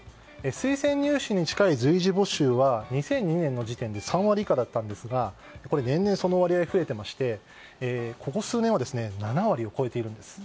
推薦入試に近い随時募集は２００２年の時点で３割以下だったんですが年々、その割合は増えていまして、ここ数年は７割を超えているんです。